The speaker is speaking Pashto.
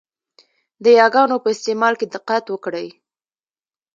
د یاګانو په استعمال کې دقت وکړئ!